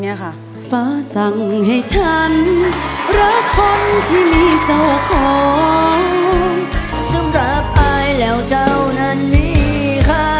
อย่างนี้ค่ะ